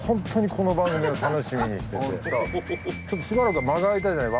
しばらく間が空いたじゃない？